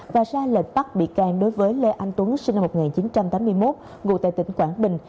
và ra lệnh bắt bị can đối với lê anh tuấn sinh năm một nghìn chín trăm tám mươi một ngụ tại tỉnh quảng bình